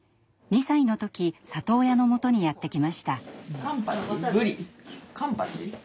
２歳の時里親のもとにやって来ました。